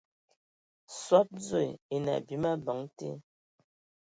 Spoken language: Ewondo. Soad dzoe e enə abim abəŋ te.